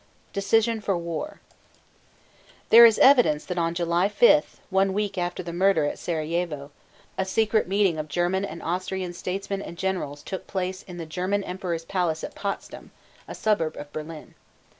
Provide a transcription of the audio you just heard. THE DECISION FOR WAR. There is evidence that on July 5, one week after the murder at Serajevo, a secret meeting of German and Austrian statesmen and generals took place in the German emperor's palace at Potsdam, a suburb of Berlin.